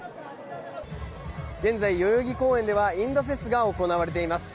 現在、代々木公園ではインドフェスが行われています。